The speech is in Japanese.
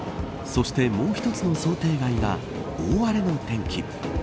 そしてもう一つの想定外が大荒れの天気。